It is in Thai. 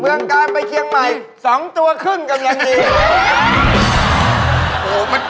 เมืองการไปเคียงใหม่สองตัวครึ่งกันนี้